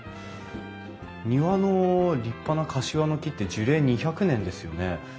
庭の立派なカシワの木って樹齢２００年ですよね？